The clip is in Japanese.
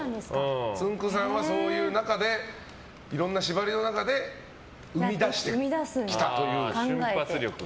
つんく♂さんはそういう中でいろんな縛りの中で生み出してきたという。